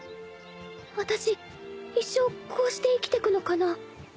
私一生こうして生きてくのかな？